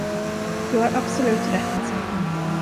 Du har absolut rätt.